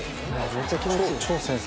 めっちゃ気持ちいい。